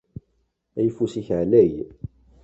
Ayeffus-ik ɛlay.